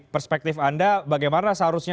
perspektif anda bagaimana seharusnya